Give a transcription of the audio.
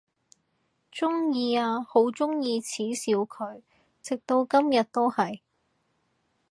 鍾意啊，好鍾意恥笑佢，直到今日都係！